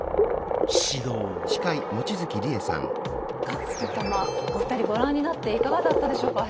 カップと玉お二人ご覧になっていかがだったでしょうか？